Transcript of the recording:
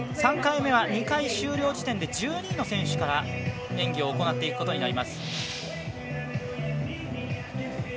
３回目は、２回終了時点で１２位の選手から演技を行っていくことになります。